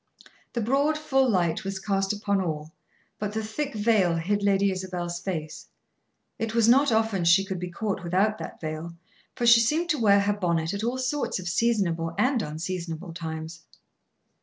The broad, full light was cast upon all, but the thick veil hid Lady Isabel's face. It was not often she could be caught without that veil, for she seemed to wear her bonnet at all sorts of seasonable and unseasonable times.